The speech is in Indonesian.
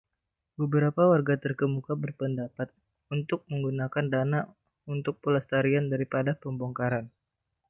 Beberapa warga terkemuka berpendapat untuk menggunakan dana untuk pelestarian daripada pembongkaran.